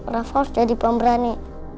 rafaul jadi pemberani